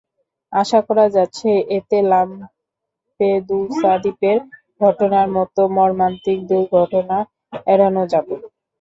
আশা করা হচ্ছে, এতে লাম্পেদুসা দ্বীপের ঘটনার মতো মর্মান্তিক দুর্ঘটনা এড়ানো যাবে।